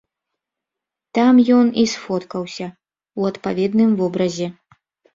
Там ён і сфоткаўся ў адпаведным вобразе.